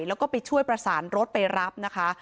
แล้วก็ไปช่วยประสานรถไปรับนะคะ